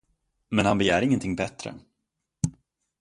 Men han begär ingenting bättre.